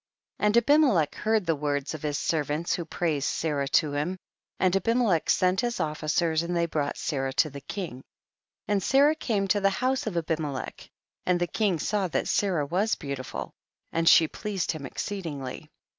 5. And Abimelech heard the words of his servants who praised Sarah to him, and Abimelech sent his oflicers, and they brought Sarah to the king. 6. And Sarah came to the house of Abimelech, and the king saw that Sarah was beautiful, and she pleased him e.xceedingly. 56 THE BOOK OF JASIIER.